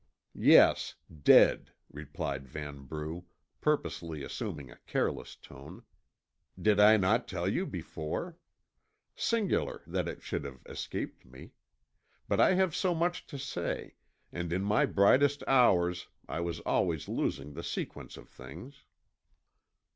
"Yes, dead," replied Vanbrugh, purposely assuming a careless tone. "Did I not tell you before? Singular that it should have escaped me. But I have so much to say, and in my brightest hours I was always losing the sequence of things."